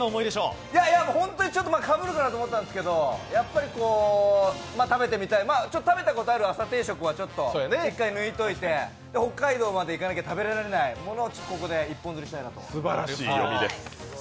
ホントにかぶるかなと思ったんですけど、やっぱり食べてみたい、食べたことある朝定食は一回抜いといて北海道まで行かなきゃ食べられないものをゲットしたいと思います。